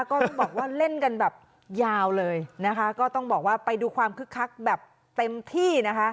ก็ต้องบอกว่าเล่นกันแบบยาวเลยนะคะก็ต้องบอกว่าไปดูความคึกคักแบบเต็มที่นะคะ